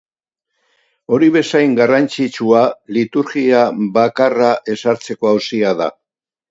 Hori bezain garrantzitsua liturgia bakarra ezartzeko auzia da.